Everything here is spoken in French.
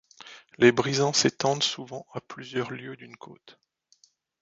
Les brisants s’étendent souvent à plusieurs lieues d’une côte.